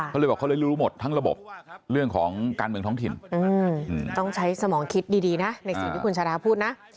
เขาเลยบอกเขาเลยรู้หมดทั้งระบบเรื่องของการเมืองท้องถิ่นต้องใช้สมองคิดดีนะในสิ่งที่คุณชาดาพูดนะ